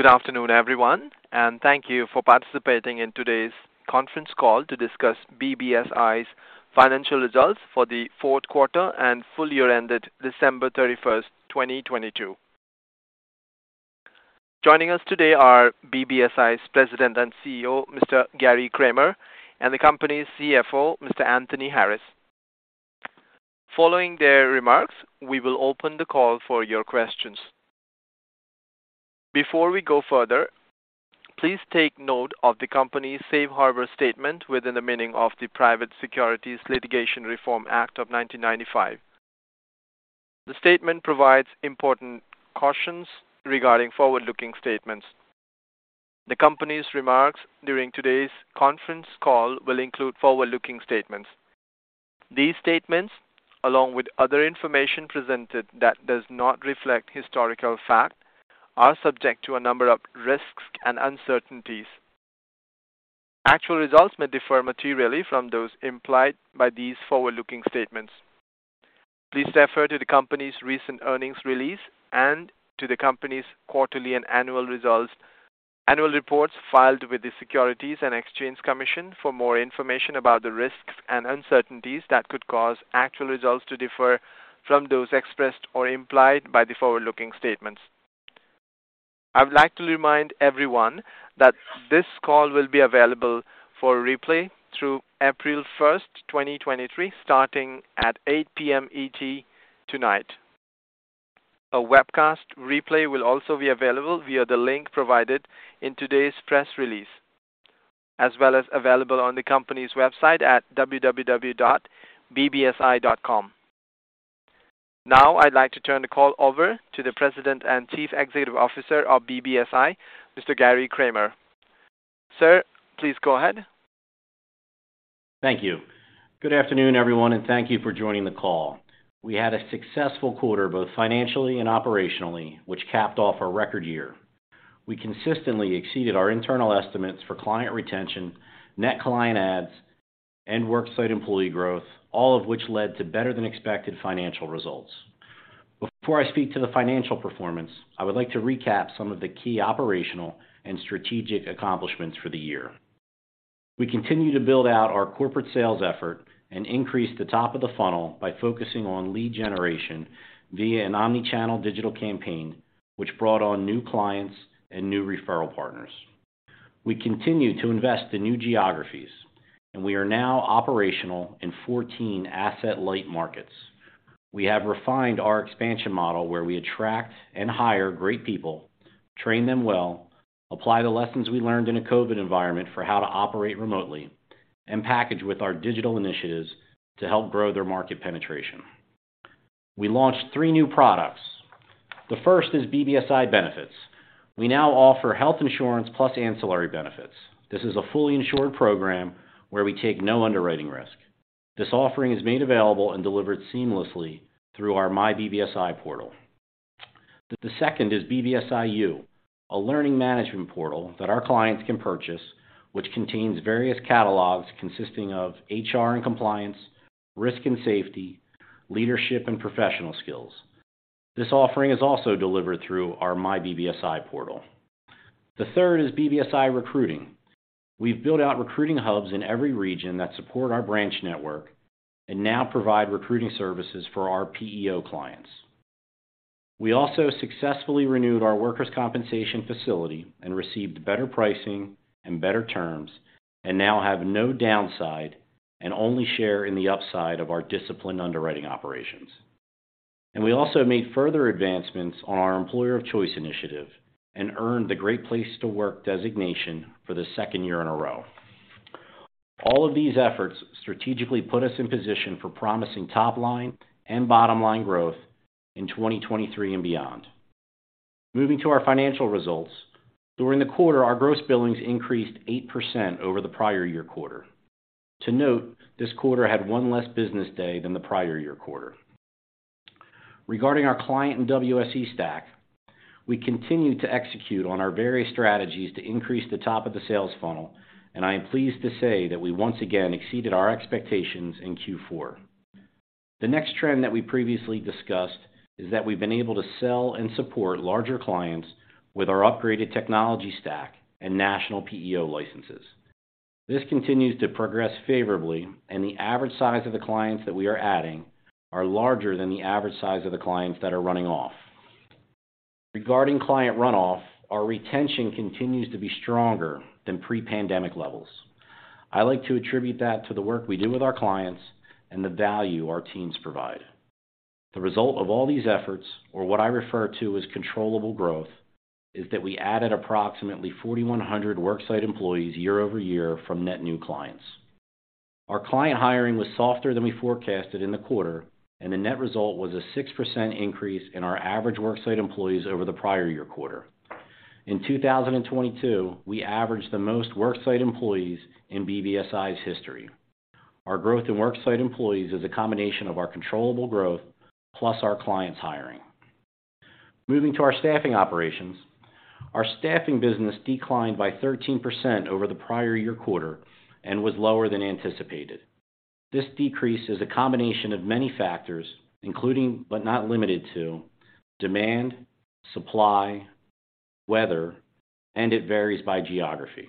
Good afternoon, everyone, and thank you for participating in today's conference call to discuss BBSI's financial results for the Q4 and full year ended December 31, 2022. Joining us today are BBSI's President and CEO, Mr. Gary Kramer, and the company's CFO, Mr. Anthony Harris. Following their remarks, we will open the call for your questions. Before we go further, please take note of the company's safe harbor statement within the meaning of the Private Securities Litigation Reform Act of 1995. The statement provides important cautions regarding forward-looking statements. The company's remarks during today's conference call will include forward-looking statements. These statements, along with other information presented that does not reflect historical fact, are subject to a number of risks and uncertainties. Actual results may differ materially from those implied by these forward-looking statements. Please refer to the company's recent earnings release and to the company's quarterly and annual reports filed with the Securities and Exchange Commission for more information about the risks and uncertainties that could cause actual results to differ from those expressed or implied by the forward-looking statements. I would like to remind everyone that this call will be available for replay through April 1st, 2023, starting at 8:00PM ET tonight. A webcast replay will also be available via the link provided in today's press release, as well as available on the company's website at www.bbsi.com. I'd like to turn the call over to the President and Chief Executive Officer of BBSI, Mr. Gary Kramer. Sir, please go ahead. Thank you. Good afternoon, everyone, and thank you for joining the call. We had a successful quarter, both financially and operationally, which capped off a record year. We consistently exceeded our internal estimates for client retention, net client adds, and work site employee growth, all of which led to better than expected financial results. Before I speak to the financial performance, I would like to recap some of the key operational and strategic accomplishments for the year. We continue to build out our corporate sales effort and increase the top of the funnel by focusing on lead generation via an omni-channel digital campaign, which brought on new clients and new referral partners. We continue to invest in new geographies, and we are now operational in 14 asset-light markets. We have refined our expansion model, where we attract and hire great people, train them well, apply the lessons we learned in a COVID environment for how to operate remotely, and package with our digital initiatives to help grow their market penetration. We launched three new products. The first is BBSI Benefits. We now offer health insurance plus ancillary benefits. This is a fully insured program where we take no underwriting risk. This offering is made available and delivered seamlessly through our myBBSI portal. The second is BBSI U, a learning management portal that our clients can purchase, which contains various catalogs consisting of HR and compliance, risk and safety, leadership, and professional skills. This offering is also delivered through our myBBSI portal. The third is BBSI Recruiting. We've built out recruiting hubs in every region that support our branch network and now provide recruiting services for our PEO clients. We also successfully renewed our workers' compensation facility and received better pricing and better terms, now have no downside and only share in the upside of our disciplined underwriting operations. We also made further advancements on our Employer of Choice initiative and earned the Great Place To Work designation for the second year in a row. All of these efforts strategically put us in position for promising top line and bottom line growth in 2023 and beyond. Moving to our financial results. During the quarter, our gross billings increased 8% over the prior year quarter. To note, this quarter had one less business day than the prior year quarter. Regarding our client and WSE stack, we continue to execute on our various strategies to increase the top of the sales funnel, and I am pleased to say that we once again exceeded our expectations in Q4. The next trend that we previously discussed is that we've been able to sell and support larger clients with our upgraded technology stack and national PEO licenses. This continues to progress favorably, and the average size of the clients that we are adding are larger than the average size of the clients that are running off. Regarding client runoff, our retention continues to be stronger than pre-pandemic levels. I like to attribute that to the work we do with our clients and the value our teams provide. The result of all these efforts, or what I refer to as controllable growth, is that we added approximately 4,100 work site employees year-over-year from net new clients. Our client hiring was softer than we forecasted in the quarter, and the net result was a 6% increase in our average work site employees over the prior year quarter. In 2022, we averaged the most work site employees in BBSI's history. Our growth in work site employees is a combination of our controllable growth plus our clients hiring. Moving to our staffing operations. Our staffing business declined by 13% over the prior year quarter and was lower than anticipated. This decrease is a combination of many factors, including, but not limited to demand, supply, weather, and it varies by geography.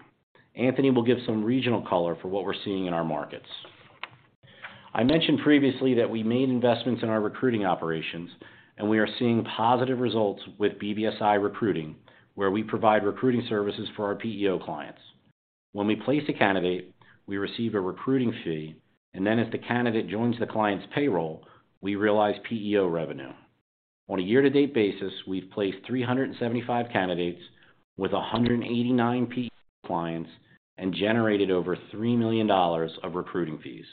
Anthony will give some regional color for what we're seeing in our markets. I mentioned previously that we made investments in our recruiting operations, and we are seeing positive results with BBSI Recruiting, where we provide recruiting services for our PEO clients. When we place a candidate, we receive a recruiting fee, and then if the candidate joins the client's payroll, we realize PEO revenue. On a year-to-date basis, we've placed 375 candidates with 189 PEO clients and generated over $3 million of recruiting fees.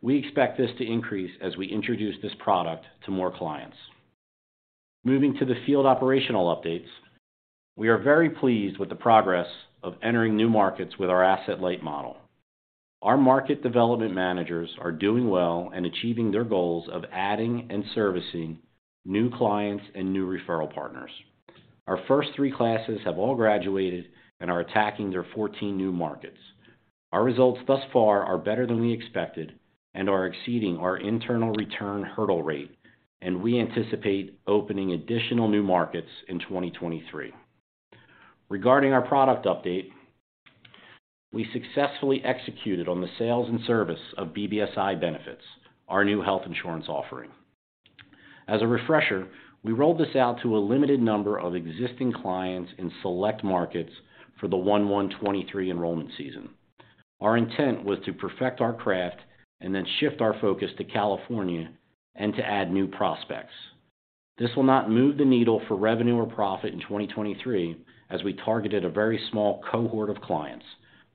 We expect this to increase as we introduce this product to more clients. Moving to the field operational updates. We are very pleased with the progress of entering new markets with our asset-light model. Our market development managers are doing well and achieving their goals of adding and servicing new clients and new referral partners. Our first three classes have all graduated and are attacking their 14 new markets. Our results thus far are better than we expected and are exceeding our internal return hurdle rate, and we anticipate opening additional new markets in 2023. Regarding our product update, we successfully executed on the sales and service of BBSI Benefits, our new health insurance offering. As a refresher, we rolled this out to a limited number of existing clients in select markets for the January 1 2023 enrollment season. Our intent was to perfect our craft and then shift our focus to California and to add new prospects. This will not move the needle for revenue or profit in 2023 as we targeted a very small cohort of clients,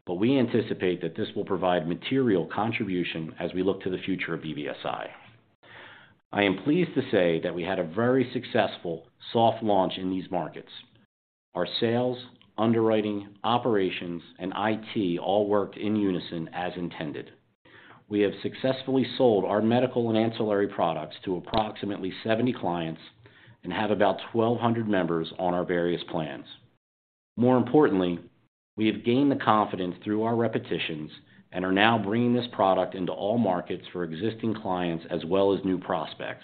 but we anticipate that this will provide material contribution as we look to the future of BBSI. I am pleased to say that we had a very successful soft launch in these markets. Our sales, underwriting, operations, and IT all worked in unison as intended. We have successfully sold our medical and ancillary products to approximately 70 clients and have about 1,200 members on our various plans. More importantly, we have gained the confidence through our repetitions and are now bringing this product into all markets for existing clients as well as new prospects.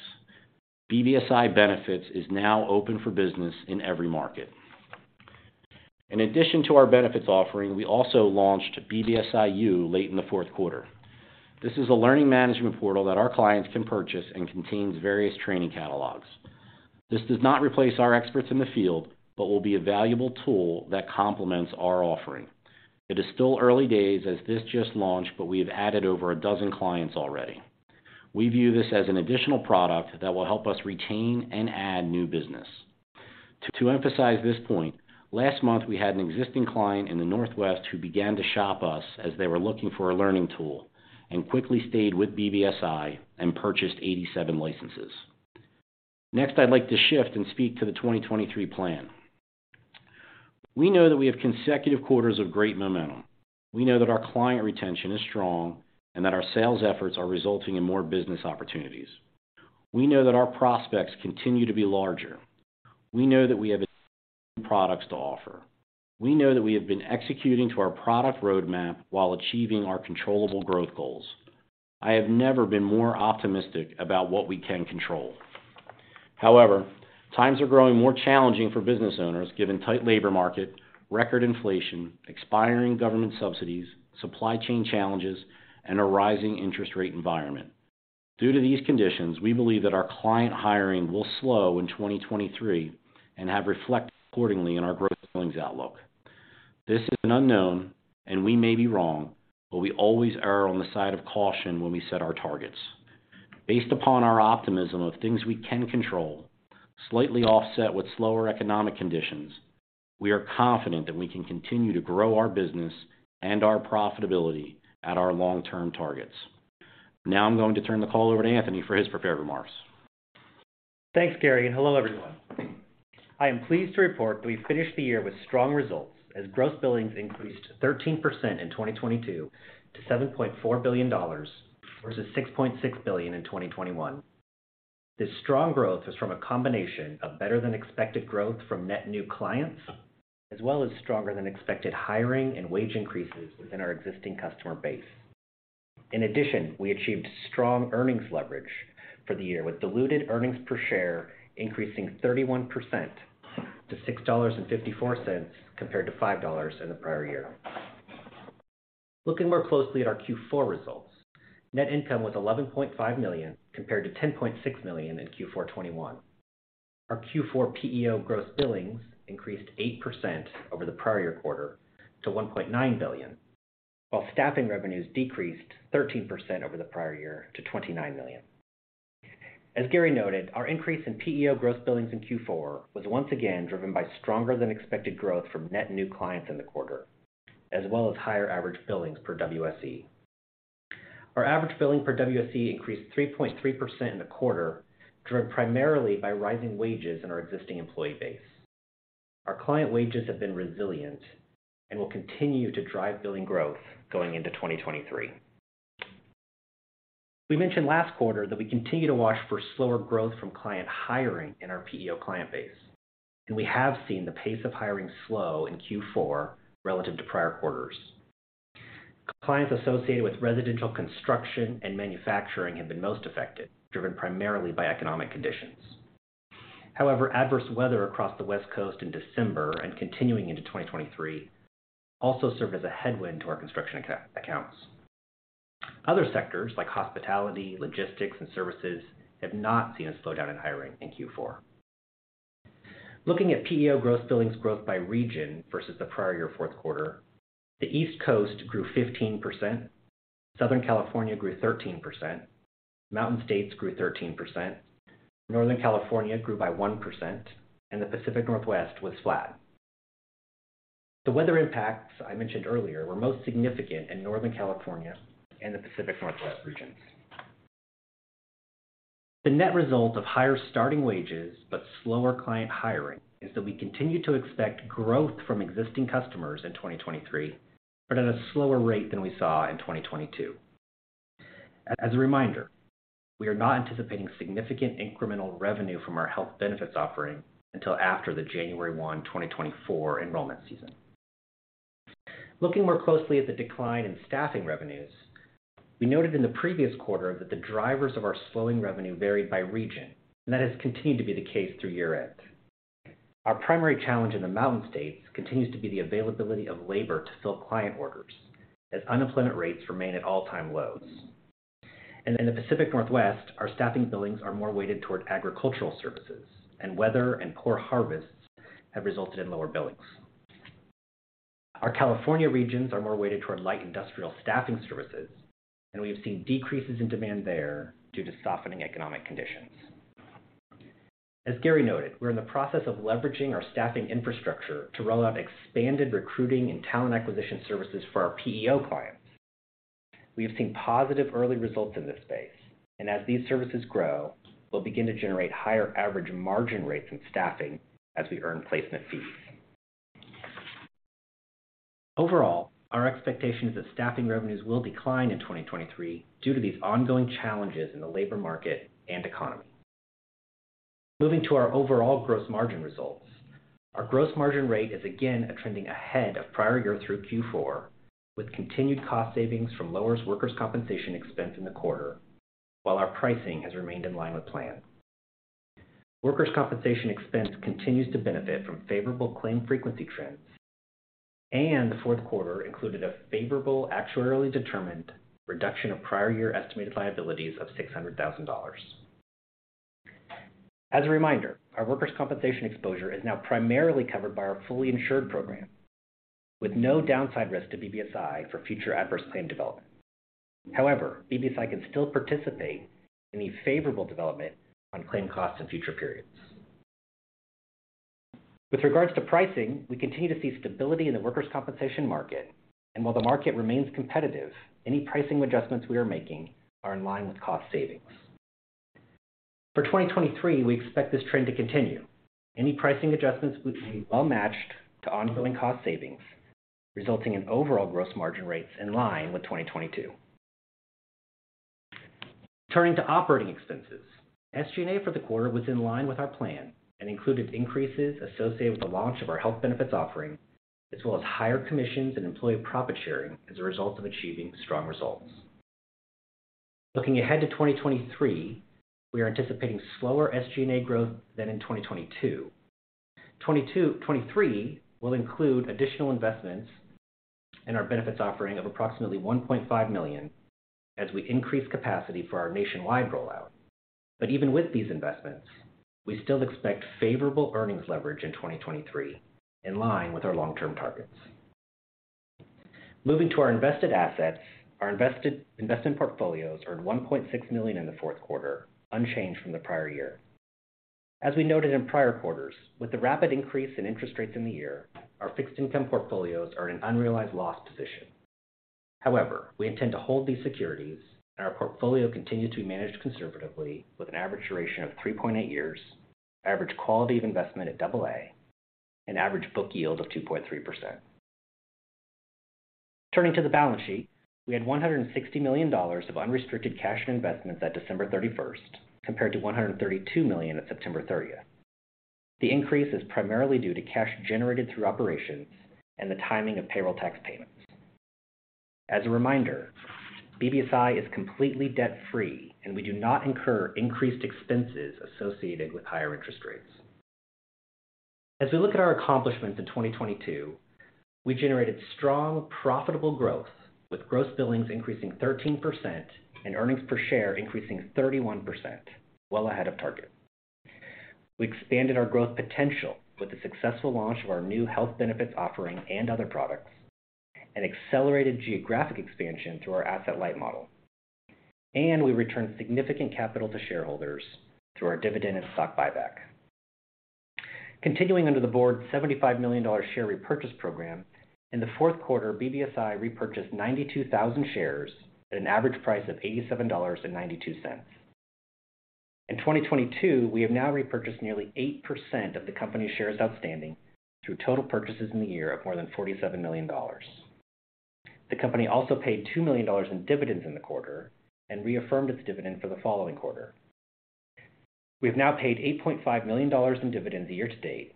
BBSI Benefits is now open for business in every market. In addition to our benefits offering, we also launched BBSI U late in the Q4. This is a learning management portal that our clients can purchase and contains various training catalogs. This does not replace our experts in the field but will be a valuable tool that complements our offering. It is still early days as this just launched, but we have added over 12 clients already. We view this as an additional product that will help us retain and add new business. To emphasize this point, last month, we had an existing client in the Northwest who began to shop us as they were looking for a learning tool and quickly stayed with BBSI and purchased 87 licenses. I'd like to shift and speak to the 2023 plan. We know that we have consecutive quarters of great momentum. We know that our client retention is strong and that our sales efforts are resulting in more business opportunities. We know that our prospects continue to be larger. We know that we have exciting products to offer. We know that we have been executing to our product roadmap while achieving our controllable growth goals. I have never been more optimistic about what we can control. Times are growing more challenging for business owners given tight labor market, record inflation, expiring government subsidies, supply chain challenges, and a rising interest rate environment. Due to these conditions, we believe that our client hiring will slow in 2023 and have reflected accordingly in our growth billings outlook. This is an unknown, and we may be wrong, but we always errol on the side of caution when we set our targets. Based upon our optimism of things we can control, slightly offset with slower economic conditions, we are confident that we can continue to grow our business and our profitability at our long-term targets. I'm going to turn the call over to Anthony for his prepared remarks. Thanks, Gary. Hello, everyone. I am pleased to report that we finished the year with strong results as gross billings increased 13% in 2022 to $7.4 billion versus $6.6 billion in 2021. This strong growth is from a combination of better than expected growth from net new clients, as well as stronger than expected hiring and wage increases within our existing customer base. In addition, we achieved strong earnings leverage for the year with diluted earnings per share, increasing 31% to $6.54 compared to $5 in the prior year. Looking more closely at our Q4 results, net income was $11.5 million compared to $10.6 million in Q4 2021. Our Q4 PEO gross billings increased 8% over the prior year quarter to $1.9 billion, while staffing revenues decreased 13% over the prior year to $29 million. As Gary noted, our increase in PEO gross billings in Q4 was once again driven by stronger than expected growth from net new clients in the quarter, as well as higher average billings per WSE. Our average billing per WSE increased 3.3% in the quarter, driven primarily by rising wages in our existing employee base. Our client wages have been resilient and will continue to drive billing growth going into 2023. We mentioned last quarter that we continue to watch for slower growth from client hiring in our PEO client base. We have seen the pace of hiring slow in Q4 relative to prior quarters. Clients associated with residential construction and manufacturing have been most affected, driven primarily by economic conditions. However, adverse weather across the West Coast in December and continuing into 2023 also served as a headwind to our construction accounts. Other sectors like hospitality, logistics, and services have not seen a slowdown in hiring in Q4. Looking at PEO gross billings growth by region versus the prior year Q4, the East Coast grew 15%, Southern California grew 13%, Mountain States grew 13%, Northern California grew by 1%, and the Pacific Northwest was flat. The weather impacts I mentioned earlier were most significant in Northern California and the Pacific Northwest regions. The net result of higher starting wages but slower client hiring is that we continue to expect growth from existing customers in 2023, but at a slower rate than we saw in 2022. As a reminder, we are not anticipating significant incremental revenue from our health benefits offering until after the January 1, 2024 enrollment season. Looking more closely at the decline in staffing revenues, we noted in the previous quarter that the drivers of our slowing revenue varied by region, and that has continued to be the case through year-end. Our primary challenge in the Mountain States continues to be the availability of labor to fill client orders as unemployment rates remain at all-time lows. In the Pacific Northwest, our staffing billings are more weighted toward agricultural services, and weather and poor harvests have resulted in lower billings. Our California regions are more weighted toward light industrial staffing services, and we have seen decreases in demand there due to softening economic conditions. As Gary noted, we're in the process of leveraging our staffing infrastructure to roll out expanded recruiting and talent acquisition services for our PEO clients. We have seen positive early results in this space, and as these services grow, we'll begin to generate higher average margin rates in staffing as we earn placement fees. Overall, our expectation is that staffing revenues will decline in 2023 due to these ongoing challenges in the labor market and economy. Moving to our overall gross margin results, our gross margin rate is again trending ahead of prior year through Q4, with continued cost savings from lower workers' compensation expense in the quarter, while our pricing has remained in line with plan. Workers' compensation expense continues to benefit from favorable claim frequency trends, and the Q4 included a favorable actuarially determined reduction of prior year estimated liabilities of $600,000. As a reminder, our workers' compensation exposure is now primarily covered by our fully insured program, with no downside risk to BBSI for future adverse claim development. However, BBSI can still participate in any favorable development on claim costs in future periods. With regards to pricing, we continue to see stability in the workers' compensation market, and while the market remains competitive, any pricing adjustments we are making are in line with cost savings. For 2023, we expect this trend to continue. Any pricing adjustments would be well matched to ongoing cost savings, resulting in overall gross margin rates in line with 2022. Turning to operating expenses, SG&A for the quarter was in line with our plan and included increases associated with the launch of our health benefits offering, as well as higher commissions and employee profit sharing as a result of achieving strong results. Looking ahead to 2023, we are anticipating slower SG&A growth than in 2022. 2023 will include additional investments in our benefits offering of approximately $1.5 million as we increase capacity for our nationwide rollout. Even with these investments, we still expect favorable earnings leverage in 2023 in line with our long-term targets. Moving to our invested assets, our investment portfolios earned $1.6 million in the Q4, unchanged from the prior year. As we noted in prior quarters, with the rapid increase in interest rates in the year, our fixed income portfolios are in an unrealized loss position. We intend to hold these securities, and our portfolio continues to be managed conservatively with an average duration of 3.8 years, average quality of investment at AA, and average book yield of 2.3%. Turning to the balance sheet, we had $160 million of unrestricted cash and investments at December 31st, compared to $132 million at September 30th. The increase is primarily due to cash generated through operations and the timing of payroll tax payments. As a reminder, BBSI is completely debt-free, and we do not incur increased expenses associated with higher interest rates. As we look at our accomplishments in 2022, we generated strong, profitable growth, with gross billings increasing 13% and earnings per share increasing 31%, well ahead of target. We expanded our growth potential with the successful launch of our new health benefits offering and other products, and accelerated geographic expansion through our asset-light model. We returned significant capital to shareholders through our dividend and stock buyback. Continuing under the board's $75 million share repurchase program, in the Q4, BBSI repurchased 92,000 shares at an average price of $87.92. In 2022, we have now repurchased nearly 8% of the company's shares outstanding through total purchases in the year of more than $47 million. The company also paid $2 million in dividends in the quarter and reaffirmed its dividend for the following quarter. We have now paid $8.5 million in dividends year to date,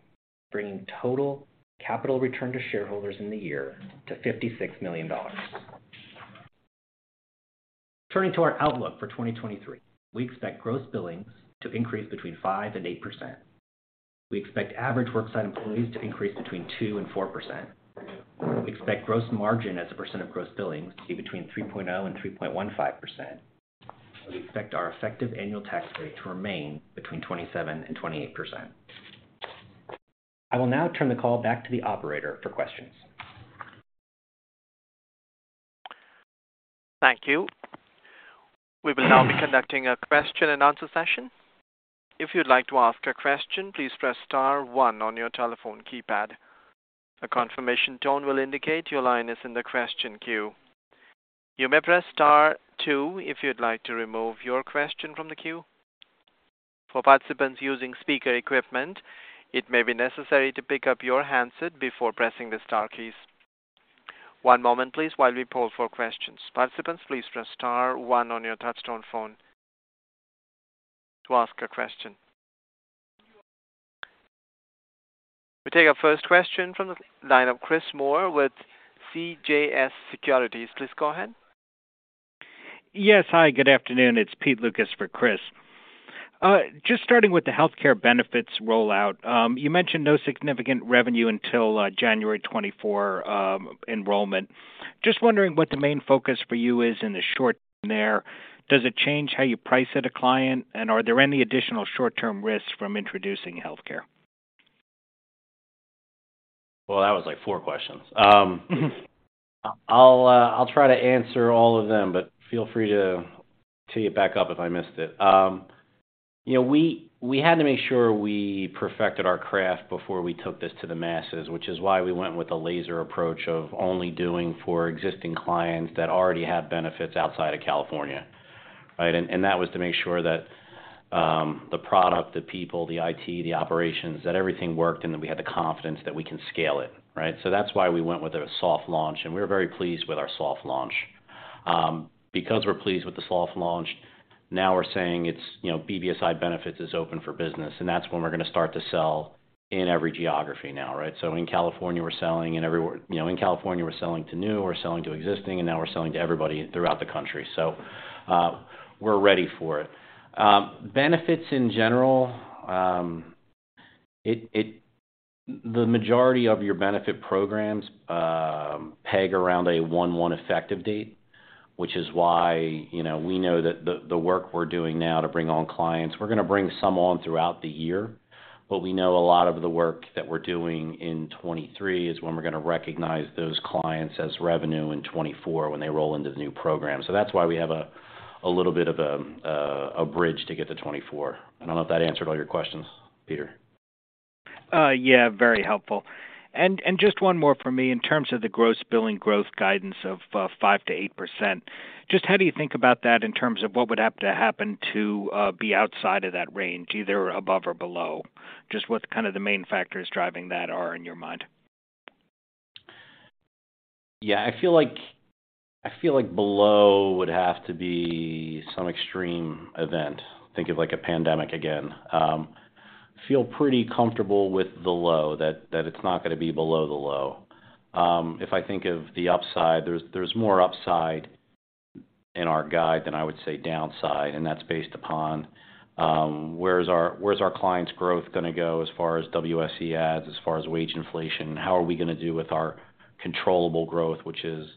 bringing total capital return to shareholders in the year to $56 million. Turning to our outlook for 2023. We expect gross billings to increase between 5%-8%. We expect average worksite employees to increase between 2%-4%. We expect gross margin as a percent of gross billings to be between 3.0%-3.15%. We expect our effective annual tax rate to remain between 27%-28%. I will now turn the call back to the operator for questions. Thank you. We will now be conducting a question and answer session. If you'd like to ask a question, please press star one on your telephone keypad. A confirmation tone will indicate your line is in the question queue. You may press star two if you'd like to remove your question from the queue. For participants using speaker equipment, it may be necessary to pick up your handset before pressing the star keys. One moment please while we poll for questions. Participants, please press star one on your touchtone phone to ask a question. We take our first question from the line of Chris Moore with CJS Securities. Please go ahead. Yes. Hi, good afternoon. It's Pete Lukas for Chris. Just starting with the healthcare benefits rollout. You mentioned no significant revenue until January 2024 enrollment. Just wondering what the main focus for you is in the short term there? Does it change how you price at a client, and are there any additional short-term risks from introducing healthcare? That was like four questions. I'll try to answer all of them, but feel free to tee it back up if I missed it. you know, we had to make sure we perfected our craft before we took this to the masses, which is why we went with a laser approach of only doing for existing clients that already had benefits outside of California, right? That was to make sure that the product, the people, the IT, the operations, that everything worked, and then we had the confidence that we can scale it, right? That's why we went with a soft launch, and we were very pleased with our soft launch. Because we're pleased with the soft launch, now we're saying it's, you know, BBSI Benefits is open for business, and that's when we're gonna start to sell in every geography now, right? In California, you know, in California, we're selling to new, we're selling to existing, and now we're selling to everybody throughout the country. We're ready for it. Benefits in general, the majority of your benefit programs peg around a 1/1 effective date, which is why, you know, we know that the work we're doing now to bring on clients, we're gonna bring some on throughout the year. We know a lot of the work that we're doing in 2023 is when we're gonna recognize those clients as revenue in 2024 when they roll into the new program. That's why we have a little bit of a bridge to get to 24. I don't know if that answered all your questions, Peter. Yeah, very helpful. Just one more for me. In terms of the gross billing growth guidance of 5%-8%, just how do you think about that in terms of what would have to happen to be outside of that range, either above or below? Just what's kind of the main factors driving that are in your mind? Yeah. I feel like below would have to be some extreme event. Think of like a pandemic again. Feel pretty comfortable with the low, that it's not gonna be below the low. If I think of the upside, there's more upside in our guide than I would say downside, and that's based upon where's our clients' growth gonna go as far as WSE adds, as far as wage inflation? How are we gonna do with our controllable growth, which is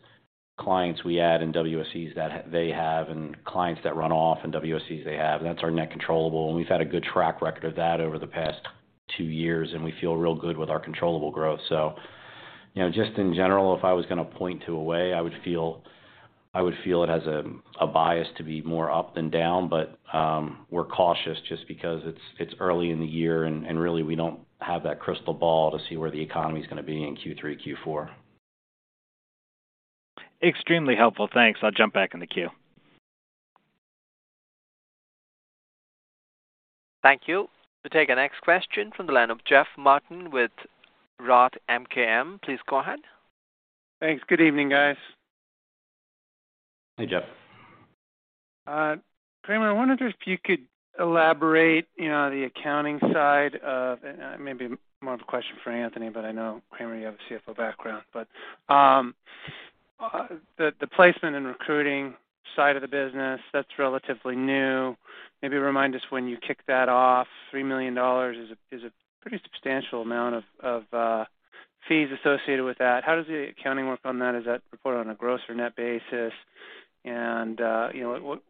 clients we add and WSEs that they have and clients that run off and WSEs they have. That's our net controllable, and we've had a good track record of that over the past two years, and we feel real good with our controllable growth. You know, just in general, if I was gonna point to a way, I would feel it has a bias to be more up than down. We're cautious just because it's early in the year and really, we don't have that crystal ball to see where the economy's gonna be in Q3, Q4. Extremely helpful. Thanks. I'll jump back in the queue. Thank you. We'll take our next question from the line of Jeff Martin with ROTH MKM. Please go ahead. Thanks. Good evening, guys. Hey, Jeff. Kramer, I wondered if you could elaborate, you know, the accounting side of. Maybe more of a question for Anthony, but I know, Kramer, you have a CFO background. The placement and recruiting side of the business, that's relatively new. Maybe remind us when you kicked that off. $3 million is a pretty substantial amount of fees associated with that. How does the accounting work on that? Is that reported on a gross or net basis? You know,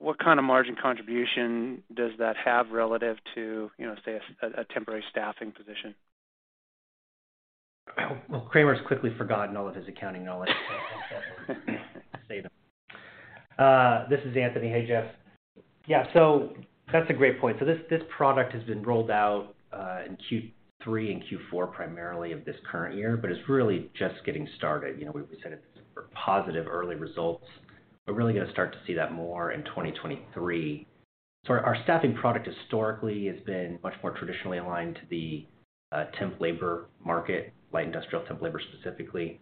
what kind of margin contribution does that have relative to, you know, say, a temporary staffing position? Kramer's quickly forgotten all of his accounting knowledge. Save him. This is Anthony. Hey, Jeff. That's a great point. This, this product has been rolled out, in Q3 and Q4, primarily of this current year, but it's really just getting started. You know, Positive early results. We're really gonna start to see that more in 2023. Our staffing product historically has been much more traditionally aligned to the, temp labor market, light industrial temp labor specifically.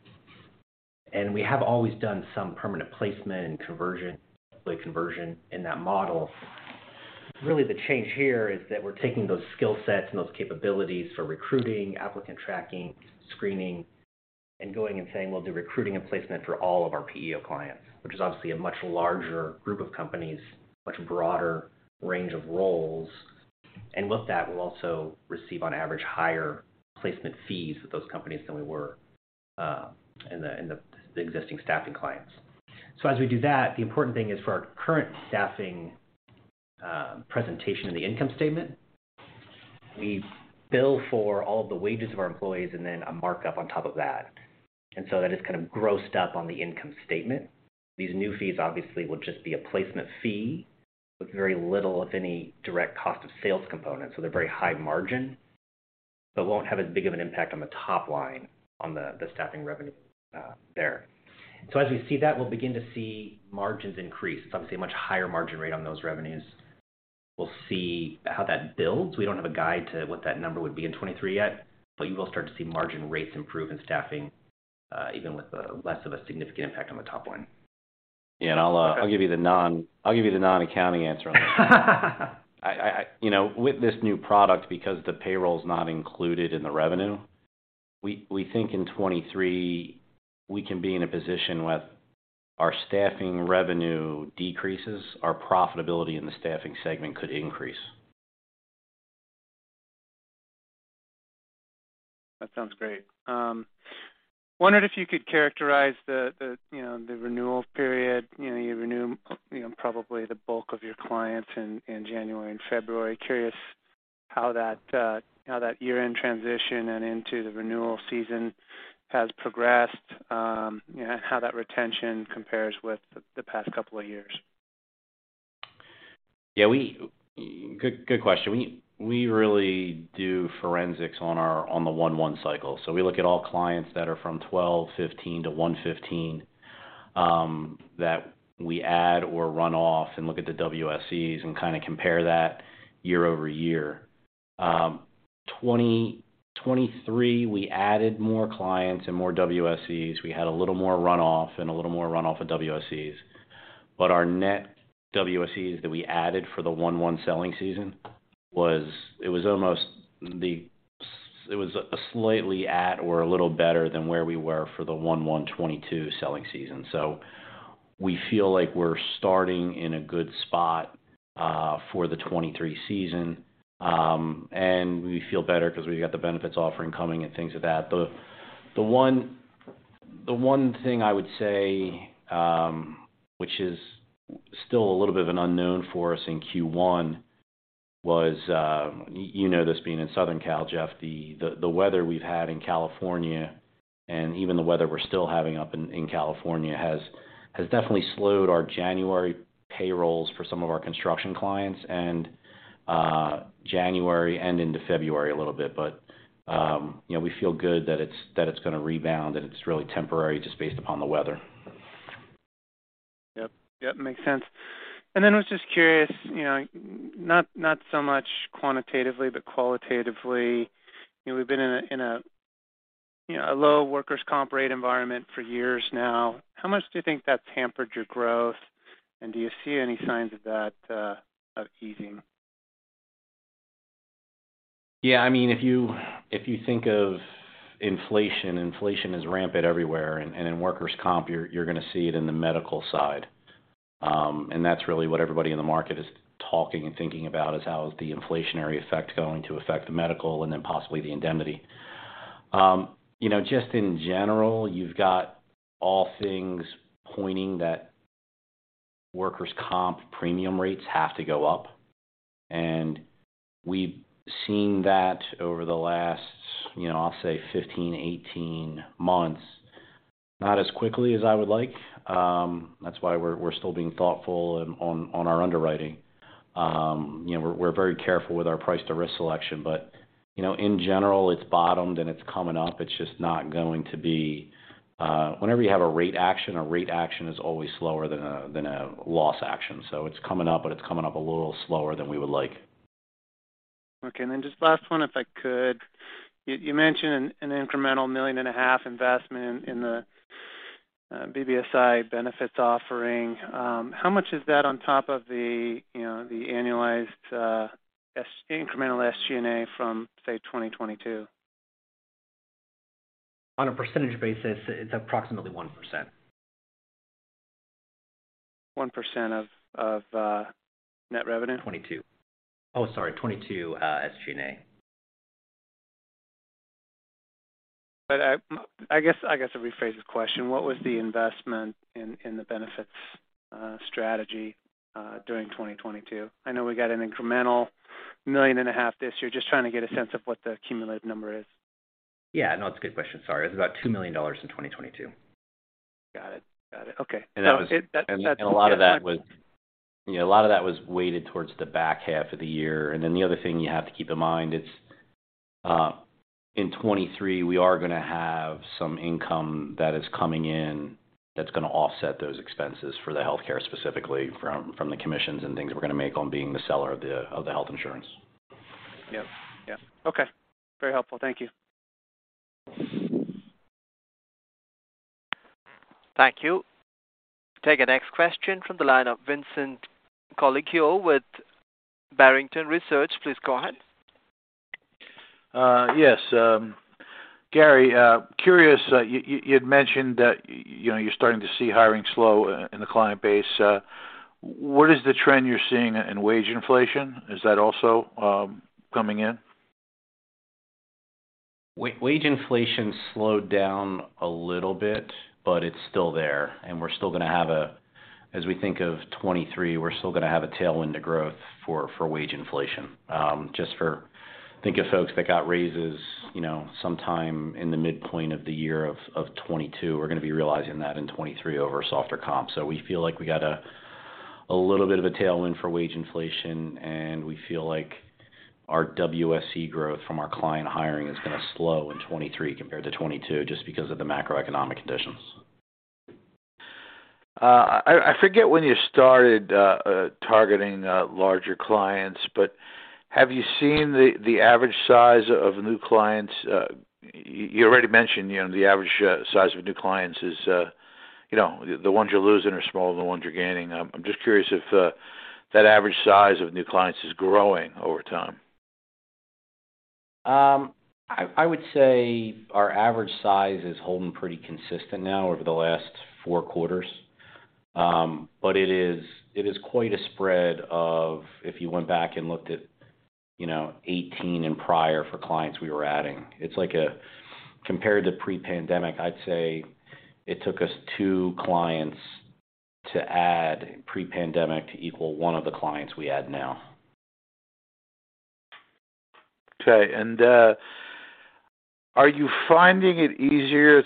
We have always done some permanent placement and conversion, employee conversion in that model. Really, the change here is that we're taking those skill sets and those capabilities for recruiting, applicant tracking, screening, and going and saying we'll do recruiting and placement for all of our PEO clients, which is obviously a much larger group of companies, much broader range of roles. With that, we'll also receive on average higher placement fees with those companies than we were in the existing staffing clients. As we do that, the important thing is for our current staffing presentation in the income statement, we bill for all the wages of our employees and then a markup on top of that. That is kind of grossed up on the income statement. These new fees obviously will just be a placement fee with very little, if any, direct cost of sales components, so they're very high margin, but won't have as big of an impact on the top line on the staffing revenue there. As we see that, we'll begin to see margins increase. It's obviously a much higher margin rate on those revenues. We'll see how that builds. We don't have a guide to what that number would be in 23 yet, but you will start to see margin rates improve in staffing, even with a less of a significant impact on the top line. Yeah. I'll give you the non-accounting answer on that. I. You know, with this new product, because the payroll is not included in the revenue, we think in 23 we can be in a position where our staffing revenue decreases, our profitability in the staffing segment could increase. That sounds great. wondered if you could characterize the, you know, the renewal period. You know, you renew, you know, probably the bulk of your clients in January and February. Curious how that how that year-end transition and into the renewal season has progressed, you know, how that retention compares with the past couple of years. Yeah, good question. We really do forensics on the 1/1 cycle. We look at all clients that are from 12/15 to 1/15, that we add or run off and look at the WSEs and kind of compare that year-over-year. 2023, we added more clients and more WSEs. We had a little more runoff and a little more runoff of WSEs. Our net WSEs that we added for the 1/1 selling season was slightly at or a little better than where we were for the January 1 2022 selling season. We feel like we're starting in a good spot for the 2023 season, and we feel better because we've got the benefits offering coming and things of that. The one thing I would say, which is still a little bit of an unknown for us in Q1 was, you know this being in Southern California, Jeff, the weather we've had in California, and even the weather we're still having up in California has definitely slowed our January payrolls for some of our construction clients, and January and into February a little bit. You know, we feel good that it's, that it's gonna rebound, that it's really temporary just based upon the weather. Yep. Yep, makes sense. Then I was just curious, you know, not so much quantitatively, but qualitatively, you know, we've been in a, you know, a low workers' comp rate environment for years now. How much do you think that's hampered your growth, and do you see any signs of that easing? Yeah, I mean, if you think of inflation is rampant everywhere, and in workers comp, you're gonna see it in the medical side. That's really what everybody in the market is talking and thinking about, is how is the inflationary effect going to affect the medical and then possibly the indemnity. You know, just in general, you've got all things pointing that workers' comp premium rates have to go up, and we've seen that over the last, you know, I'll say 15-18 months. Not as quickly as I would like, that's why we're still being thoughtful on our underwriting. You know, we're very careful with our price to risk selection. You know, in general, it's bottomed, and it's coming up. It's just not going to be... Whenever you have a rate action, a rate action is always slower than a, than a loss action. It's coming up, but it's coming up a little slower than we would like. Okay. Just last one, if I could. You mentioned an incremental $1.5 million investment in the BBSI Benefits offering. How much is that on top of the, you know, the annualized, incremental SG&A from, say, 2022? On a percentage basis, it's approximately 1%. 1% of net revenue? 2022. Oh, sorry, 2022, SG&A. I guess I'll rephrase the question. What was the investment in the benefits strategy during 2022? I know we got an incremental $1.5 million this year. Just trying to get a sense of what the cumulative number is. Yeah, no, it's a good question. Sorry. It was about $2 million in 2022. Got it. Okay. And that was- So that's- A lot of that was. You know, a lot of that was weighted towards the back half of the year. The other thing you have to keep in mind, it's in 2023, we are gonna have some income that is coming in that's gonna offset those expenses for the healthcare, specifically from the commissions and things we're gonna make on being the seller of the health insurance. Yep. Yep. Okay. Very helpful. Thank you. Thank you. Take the next question from the line of Vincent Colicchio with Barrington Research. Please go ahead. Yes, Gary, curious, you'd mentioned that, you know, you're starting to see hiring slow in the client base. What is the trend you're seeing in wage inflation? Is that also coming in? Wage inflation slowed down a little bit, but it's still there. We're still gonna have a as we think of 2023, we're still gonna have a tailwind of growth for wage inflation. just for think of folks that got raises, you know, sometime in the midpoint of the year of 2022, we're gonna be realizing that in 2023 over softer comp. We feel like we got a little bit of a tailwind for wage inflation, and we feel like our WSE growth from our client hiring is gonna slow in 2023 compared to 2022 just because of the macroeconomic conditions. I forget when you started targeting larger clients, but have you seen the average size of new clients? You already mentioned, you know, the average size of new clients is, you know, the ones you're losing are small, the ones you're gaining. I'm just curious if that average size of new clients is growing over time. I would say our average size is holding pretty consistent now over the last four quarters. It is quite a spread of if you went back and looked at, you know, 18 and prior for clients we were adding. Compared to pre-pandemic, I'd say it took us two clients to add pre-pandemic to equal one of the clients we add now. Okay. Are you finding it easier?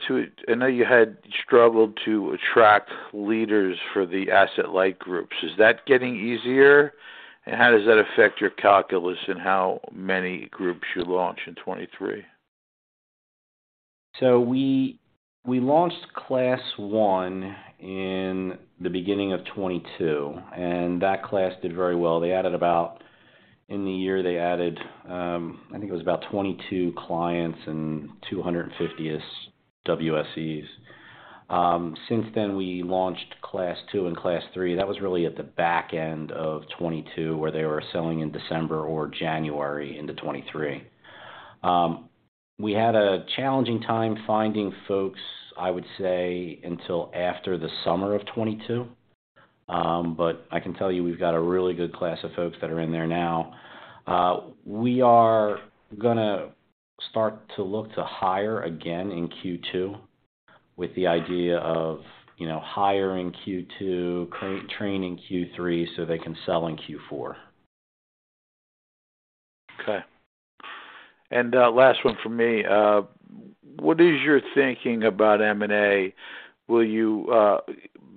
I know you had struggled to attract leaders for the asset-light groups. Is that getting easier? How does that affect your calculus in how many groups you launch in 2023? We launched class one in the beginning of 2022, and that class did very well. In the year, they added, I think it was about 22 clients and 250-ish WSEs. Since then, we launched class two and class three. That was really at the back end of 2022, where they were selling in December or January into 2023. We had a challenging time finding folks, I would say, until after the summer of 2022. I can tell you we've got a really good class of folks that are in there now. We are gonna start to look to hire again in Q2 with the idea of, you know, hiring Q2, training Q3, so they can sell in Q4. Okay. last one for me. What is your thinking about M&A? Will you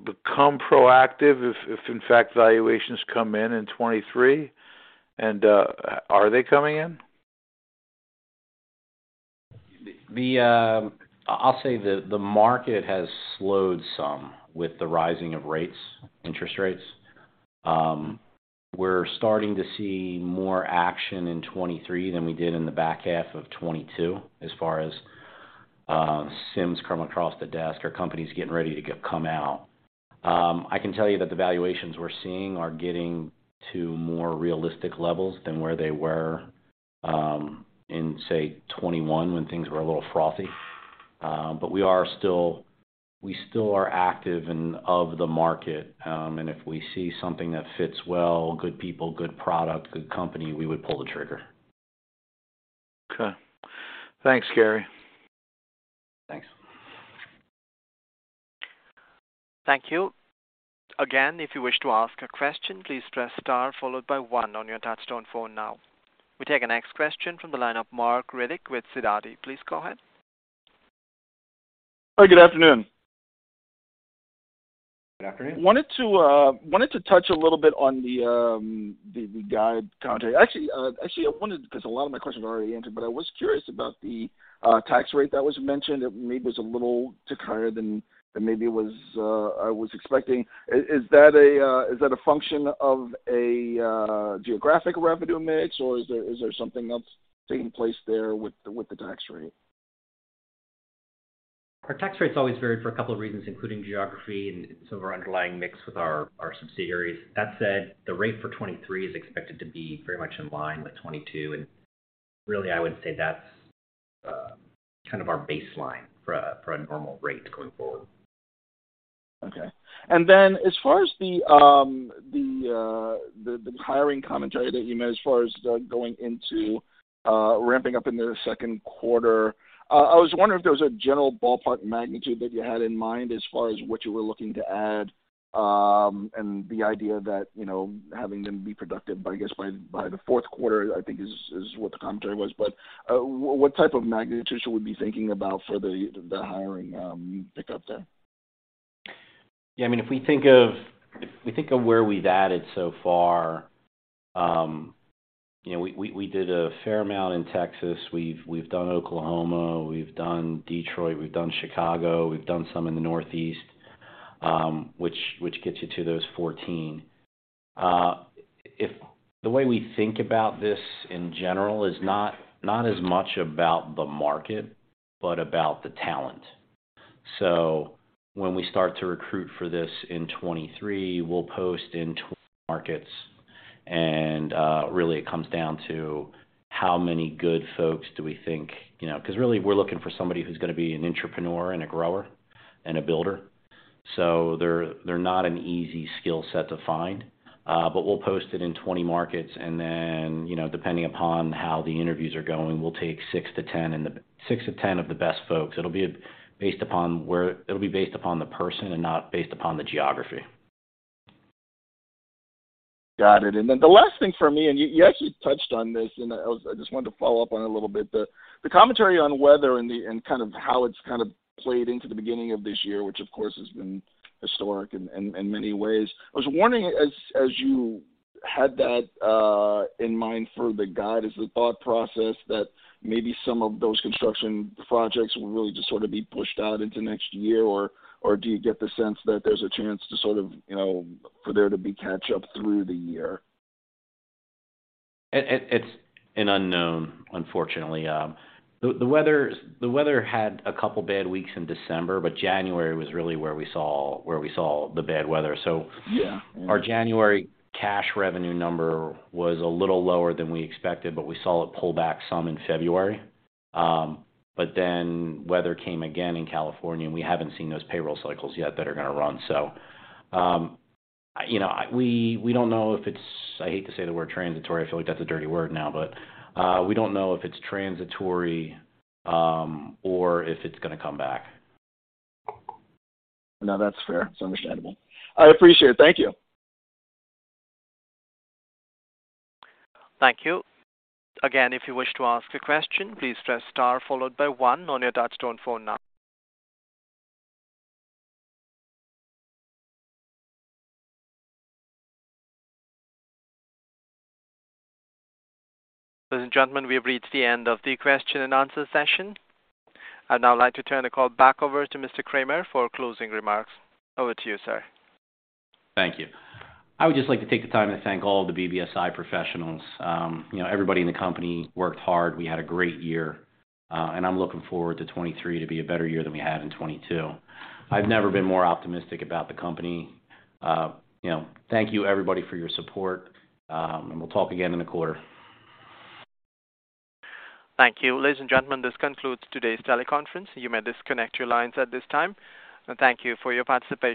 become proactive if in fact valuations come in in 2023? Are they coming in? I'll say the market has slowed some with the rising of rates, interest rates. We're starting to see more action in 2023 than we did in the back half of 2022 as far as SIMs come across the desk or companies getting ready to come out. I can tell you that the valuations we're seeing are getting to more realistic levels than where they were, in, say, 2021 when things were a little frothy. We still are active and of the market. If we see something that fits well, good people, good product, good company, we would pull the trigger. Okay. Thanks, Gary. Thanks. Thank you. Again, if you wish to ask a question, please press star followed by one on your touch tone phone now. We take the next question from the line of Marc Riddick with Sidoti. Please go ahead. Hi, good afternoon. Good afternoon. Wanted to touch a little bit on the guide commentary. Actually, I wanted 'cause a lot of my questions are already answered, but I was curious about the tax rate that was mentioned. It maybe was a little too higher than maybe it was, I was expecting. Is that a function of a geographic revenue mix, or is there something else taking place there with the tax rate? Our tax rate's always varied for a couple of reasons, including geography and some of our underlying mix with our subsidiaries. That said, the rate for 2023 is expected to be very much in line with 2022. Really, I would say that's kind of our baseline for a normal rate going forward. Okay. As far as the hiring commentary that you made as far as going into ramping up in the Q2, I was wondering if there was a general ballpark magnitude that you had in mind as far as what you were looking to add, and the idea that, you know, having them be productive by, I guess by the Q4, I think is what the commentary was. What type of magnitude should we be thinking about for the hiring pickup there? Yeah, I mean, if we think of where we've added so far, you know, we did a fair amount in Texas. We've done Oklahoma, we've done Detroit, we've done Chicago, we've done some in the Northeast, which gets you to those 14. The way we think about this in general is not as much about the market but about the talent. When we start to recruit for this in 23, we'll post in 20 markets and really it comes down to how many good folks do we think, you know. 'Cause really, we're looking for somebody who's gonna be an entrepreneur and a grower and a builder. They're not an easy skill set to find. we'll post it in 20 markets and then, you know, depending upon how the interviews are going, we'll take six to 10 of the best folks. It'll be based upon the person and not based upon the geography. Got it. The last thing for me, and you actually touched on this, and I just wanted to follow up on it a little bit. The commentary on weather and kind of how it's kind of played into the beginning of this year, which of course has been historic in many ways. I was wondering, as you had that in mind for the guide, is the thought process that maybe some of those construction projects will really just sort of be pushed out into next year or do you get the sense that there's a chance to sort of, you know, for there to be catch up through the year? It's an unknown, unfortunately. The weather's, the weather had a couple bad weeks in December, but January was really where we saw the bad weather. Yeah. Our January cash revenue number was a little lower than we expected, but we saw it pull back some in February. Weather came again in California, and we haven't seen those payroll cycles yet that are gonna run. You know, We don't know if it's, I hate to say the word transitory, I feel like that's a dirty word now. We don't know if it's transitory, or if it's gonna come back. No, that's fair. It's understandable. I appreciate it. Thank you. Thank you. Again, if you wish to ask a question, please press star followed by one on your touchtone phone now. Ladies and gentlemen, we have reached the end of the question and answer session. I'd now like to turn the call back over to Mr. Kramer for closing remarks. Over to you, sir. Thank you. I would just like to take the time to thank all the BBSI professionals. you know, everybody in the company worked hard. We had a great year. I'm looking forward to 2023 to be a better year than we had in 2022. I've never been more optimistic about the company. you know, thank you everybody for your support. We'll talk again in the quarter. Thank you. Ladies and gentlemen, this concludes today's teleconference. You may disconnect your lines at this time. Thank you for your participation.